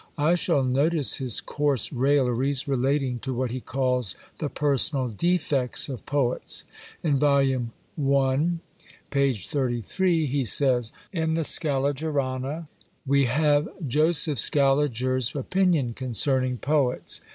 I shall notice his coarse railleries relating to what he calls "the personal defects of poets." In vol. i. p. 33, he says, "In the Scaligerana we have Joseph Scaliger's opinion concerning poets.